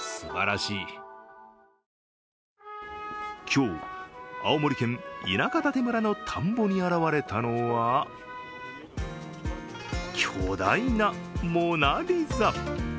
今日、青森県田舎館村の田んぼに現れたのは巨大な「モナ・リザ」。